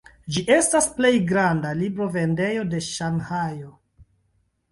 Ĝi estas plej granda librovendejo de Ŝanhajo.